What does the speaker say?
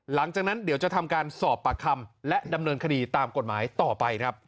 หลังจากนั้นเดี๋ยวจะทำการสอบปากคำและดำเนินคดีตามกฎหมายต่อไปครับ